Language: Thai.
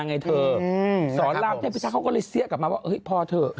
สอราด้วยที่เยี่ยมท่านเขาก็เลยเซียกกลับมาว่าพ่อเธอการ